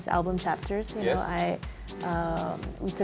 saya pikir album terbaru saya